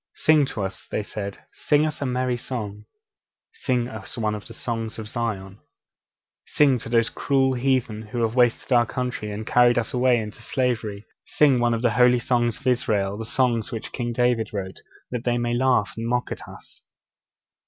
'Sing to us,' they said; 'sing us a merry song. Sing us one of the songs of Zion.' (Verse 3.) 'Sing to these cruel heathen who have wasted our country, and carried us away into slavery! Sing one of the holy songs of Israel, the songs which King David wrote, that they may laugh and mock at us!